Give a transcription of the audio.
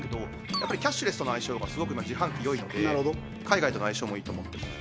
やっぱりキャッシュレスとの相性がすごく自販機よいので海外との相性もいいと思っています